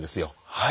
はい。